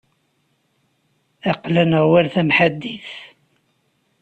Aql-aneɣ war tamḥaddit.